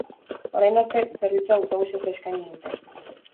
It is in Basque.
Orain arte, zerbitzua autobusez eskaini dute.